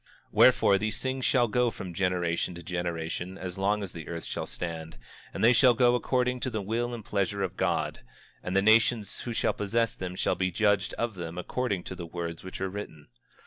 25:22 Wherefore, these things shall go from generation to generation as long as the earth shall stand; and they shall go according to the will and pleasure of God; and the nations who shall possess them shall be judged of them according to the words which are written.